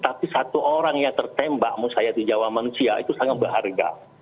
tapi satu orang yang tertembak musayat di jawa manusia itu sangat berharga